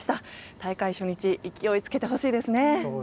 大会初日勢いをつけてほしいですね。